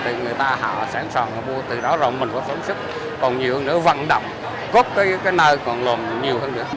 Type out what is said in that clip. thì người ta họ sản xuất từ đó rộng mình có sống sức còn nhiều nữa văn đồng góp cái nơi còn lồn nhiều hơn nữa